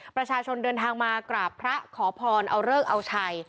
ประชาชนเดินทางมากราบพระขอพรเอาเลิกเอาชัย